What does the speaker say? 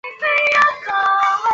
江苏省崇明县中兴镇永南村人。